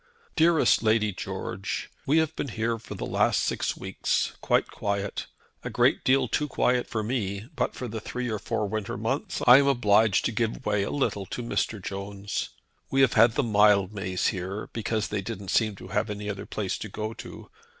"DEAREST LADY GEORGE, We have been here for the last six weeks, quite quiet. A great deal too quiet for me, but for the three or four winter months, I am obliged to give way a little to Mr. Jones. We have had the Mildmays here, because they didn't seem to have any other place to go to.